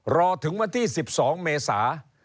รอถึงวันที่๑๒เมษา